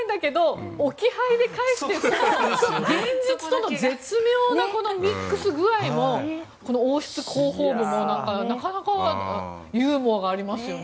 おとぎ話っぽいけど置き配という現実との絶妙なミックス具合もこの王室広報部もなかなかユーモアがありますよね。